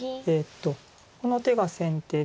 この手が先手で。